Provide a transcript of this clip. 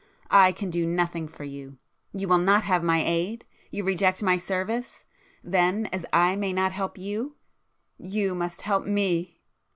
I can do nothing for you—you will not have my aid—you reject my service? Then as I may not help you, you must help me!"